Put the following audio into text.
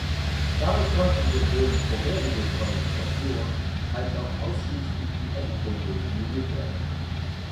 Dabei konnten sowohl die vorherige Qualifikation als auch ausschließlich die Endrunde simuliert werden.